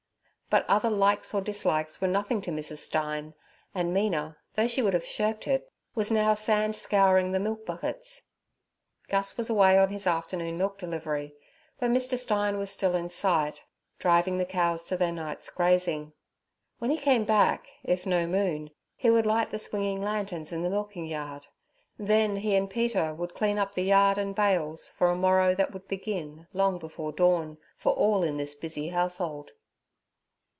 But other likes or dislikes were nothing to Mrs. Stein, and Mina, though she would have shirked it, was now sand scouring the milk buckets. Gus was away on his afternoon milk delivery, but Mr. Stein was still in sight, driving the cows to their night's grazing. When he came back, if no moon, he would light the swinging lanterns in the milking yard; then he and Peter would clean up the yard and bails for a morrow that would begin long before dawn, for all in this busy household.